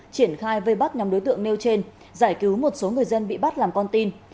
triển khai vây bắt nhóm đối tượng nêu trên giải cứu một số người dân bị bắt làm con tin